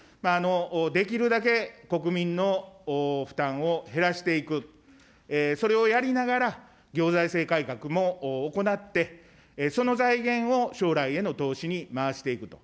できるだけ国民の負担を減らしていく、それをやりながら行財政改革も行ってその財源を将来への投資に回していくと。